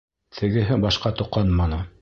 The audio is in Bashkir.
Тегеһе башҡа тоҡанманы.